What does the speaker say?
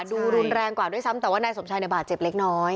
ดูรุนแรงกว่าด้วยซ้ำแต่ว่านายสมชายในบาดเจ็บเล็กน้อย